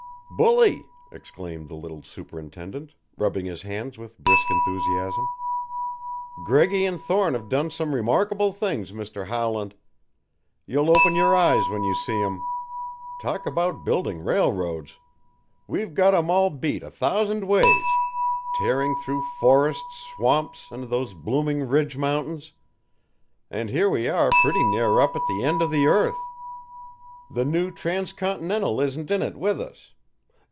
"Bully!" exclaimed the little superintendent, rubbing his hands with brisk enthusiasm. "Greggy and Thorne have done some remarkable things, Mr. Howland. You'll open your eyes when you see 'em! Talk about building railroads! We've got 'em all beat a thousand ways tearing through forests, swamps and those blooming ridge mountains and here we are pretty near up at the end of the earth. The new Trans continental isn't in it with us!